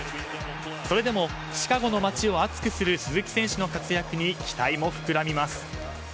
それでもシカゴの街を熱くする鈴木選手の活躍に期待も膨らみます。